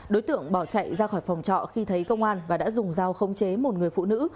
đối tượng bỏ chạy ra khỏi phòng trọ khi thấy công an và đã dùng dao không chế một người phụ nữ